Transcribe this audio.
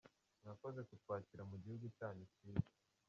Mwakoze kutwakira mu gihugu cyanyu cyiza.